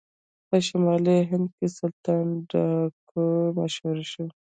په شمالي هند کې سلطانه ډاکو مشهور شو.